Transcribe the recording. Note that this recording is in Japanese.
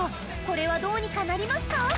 これはどうにかなりますか？